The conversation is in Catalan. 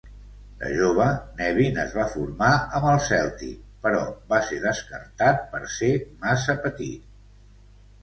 De jove, Nevin es va formar amb el Celtic, però va ser descartat per ser massa petit.